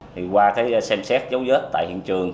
thì qua cái xem xét dấu vết tại hiện trường